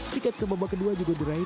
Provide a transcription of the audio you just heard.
tiket kebobak kedua juga diraih